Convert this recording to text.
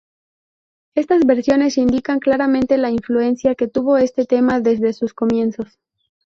Estas versiones indican claramente la influencia que tuvo este tema desde sus comienzos.